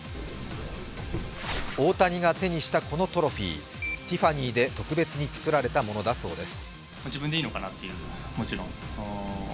大谷が手にしたこのトロフィー、ティファニーで特別に作られたものだそうです。